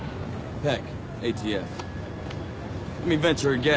はい。